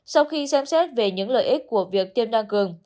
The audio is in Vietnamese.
sau khi xem xét về những lợi ích của việc tiêm năng cường